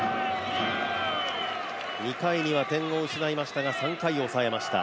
２回には点を失いましたが、３回を抑えました。